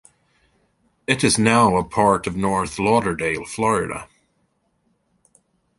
It is now a part of North Lauderdale, Florida.